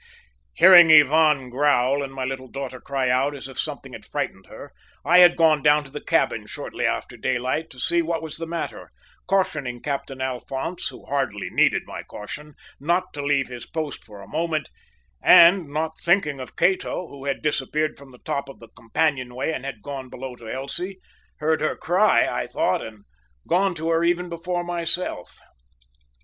"Hearing Ivan growl and my little daughter cry out as if something had frightened her, I had gone down to the cabin shortly after daylight to see what was the matter, cautioning Captain Alphonse, who hardly needed my caution, not to leave his post for a moment, and not thinking of Cato, who had disappeared from the top of the companion way and had gone below to Elsie heard her cry, I thought, and gone to her even before myself.